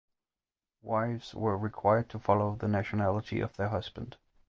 Wives were required to follow the nationality of their husband.